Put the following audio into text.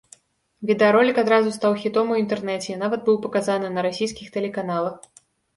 Відэаролік адразу стаў хітом у інтэрнэце і нават быў паказаны на расійскіх тэлеканалах.